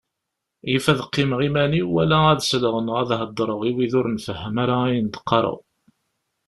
Yif ad qqimeɣ iman-iw wala ad sleɣ neɣ ad heddreɣ i wid ur nfehhem ara ayen d-qqareɣ.